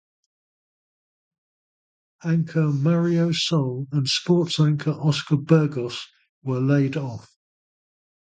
Anchor Mario Sol and Sports Anchor Oscar Burgos were laid-off.